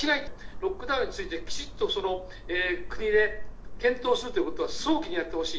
ロックダウンについて、きちっと国で検討するということは、早期にやってほしい。